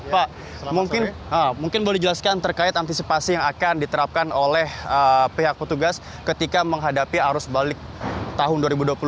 pak mungkin boleh dijelaskan terkait antisipasi yang akan diterapkan oleh pihak petugas ketika menghadapi arus balik tahun dua ribu dua puluh dua